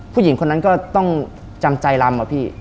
ผู้หญิงคนนั้นก็ต้องจำใจรำอะพี่